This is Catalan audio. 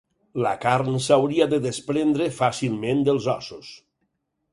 La carn s'hauria de desprendre fàcilment dels ossos.